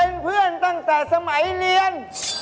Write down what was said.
เป็นเพื่อนตั้งแต่สมัยเรียน